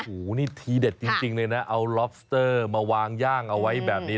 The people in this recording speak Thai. โอ้โหนี่ทีเด็ดจริงเลยนะเอาล็อบสเตอร์มาวางย่างเอาไว้แบบนี้